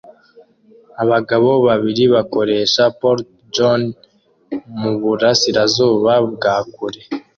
Abagabo babiri bakoresha porta johns muburasirazuba bwa kure